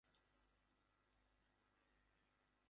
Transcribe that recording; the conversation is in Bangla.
বিশ্বাসই হচ্ছে না তুই এসব করছিস, স্টিফলার।